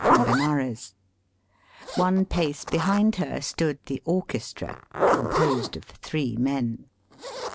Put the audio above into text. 189 from Benares. One pace behind her stood the orchestra, composed of three men.